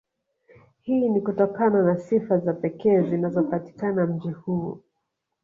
Hii ni kutokana na sifa za pekee zinazopatikana mji huu